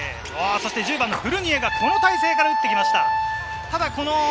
１０番のフルニエがこの体勢から打ってきました。